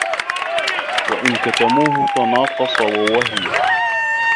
وَإِنْ كَتَمُوهُ تَنَاقَصَ وَوَهِيَ